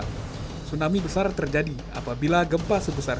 tsunami besar terjadi apabila gempa sebesar